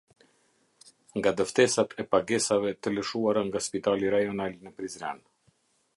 Nga dëftesat e pagesave të lëshuara nga Spitali Rajonal në Prizren.